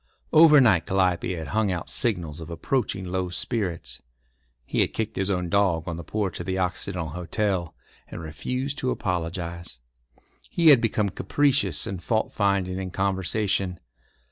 Over night Calliope had hung out signals of approaching low spirits. He had kicked his own dog on the porch of the Occidental Hotel, and refused to apologise. He had become capricious and fault finding in conversation.